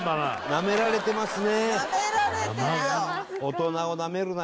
なめられてますね。